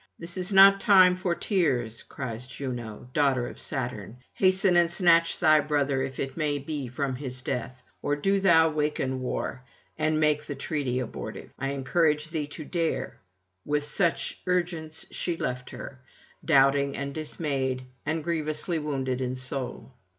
'This is not time for tears,' cries Juno, daughter of Saturn: 'hasten and snatch thy brother, if it may be, from his death; or do thou waken war, and make [159 191]the treaty abortive. I encourage thee to dare.' With such urgence she left her, doubting and dismayed, and grievously wounded in soul.